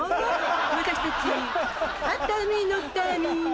私たち熱海の民